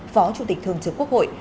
phó chủ tịch thường trưởng quốc hội